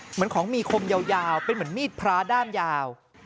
เหมือนของมีคมยาวเป็นเหมือนมีดพระด้ามยาว